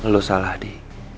lu salah di